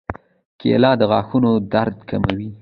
کېله د غاښونو درد کموي.